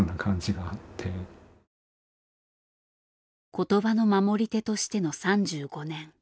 言葉の守り手としての３５年。